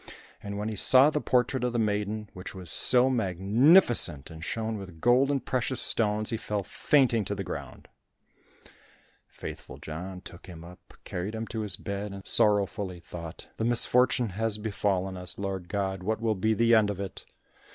And when he saw the portrait of the maiden, which was so magnificent and shone with gold and precious stones, he fell fainting to the ground. Faithful John took him up, carried him to his bed, and sorrowfully thought, "The misfortune has befallen us, Lord God, what will be the end of it?"